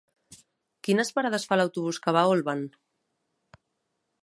Quines parades fa l'autobús que va a Olvan?